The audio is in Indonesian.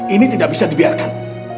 ini tidak bisa dibiarkan